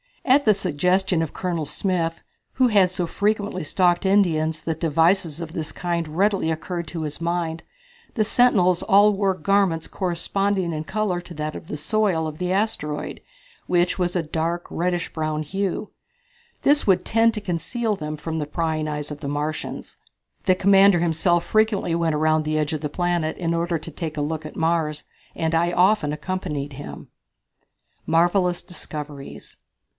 At the suggestion of Colonel Smith, who had so frequently stalked Indians that devices of this kind readily occurred to his mind, the sentinels all wore garments corresponding in color to that of the soil of the asteroid, which was of a dark, reddish brown hue. This would tend to conceal them from the prying eyes of the Martians. The commander himself frequently went around the edge of the planet in order to take a look at Mars, and I often accompanied him. Marvellous Discoveries.